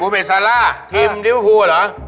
บูเบสซาร่าทีมนิเวอร์ภูมิหรือหรือ